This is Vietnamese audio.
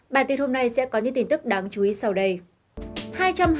bản tin hôm nay sẽ có những tin tức đáng chú ý sau đây